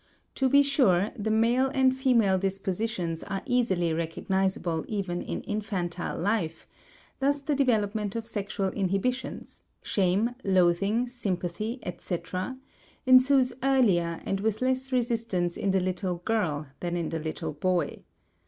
To be sure, the male and female dispositions are easily recognizable even in infantile life; thus the development of sexual inhibitions (shame, loathing, sympathy, etc.) ensues earlier and with less resistance in the little girl than in the little boy.